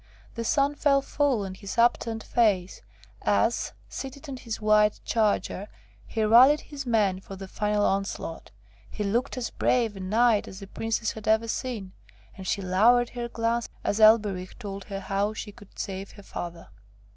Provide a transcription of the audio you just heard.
The sun fell full on his upturned face, as, seated on his white charger, he rallied his men for the final onslaught; he looked as brave a knight as the Princess had ever seen, and she lowered her glance as Elberich told her how she could save her father.